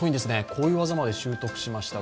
こういう技まで習得しました。